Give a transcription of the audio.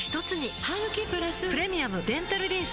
ハグキプラス「プレミアムデンタルリンス」